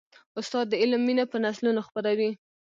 استاد د علم مینه په نسلونو خپروي.